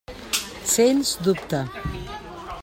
Sens dubte.